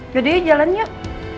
jadi ya jalan yuk